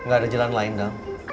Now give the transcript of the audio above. gak ada jalan lain dong